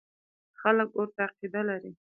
خلک ورته عقیده لري.